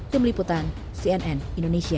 demi liputan cnn indonesia